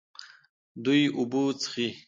دوی اوبه څښي.